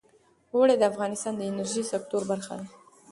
اوړي د افغانستان د انرژۍ سکتور برخه ده.